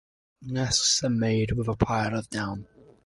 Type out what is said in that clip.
Nests are made with a pile of down.